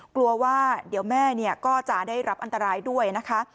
กลัวว่าเดี๋ยวแม่ก็จะได้รับอันตรายด้วยนะคะ